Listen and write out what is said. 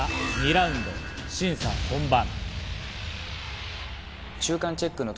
２ラウンド審査本番。